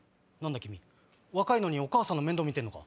君若いのにお母さんの面倒見てんのか？